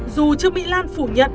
dù trường mỹ lan phủ nhận